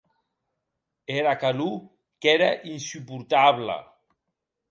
Era calor qu’ère insuportabla.